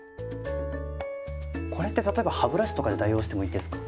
これって例えば歯ブラシとかで代用してもいいですか。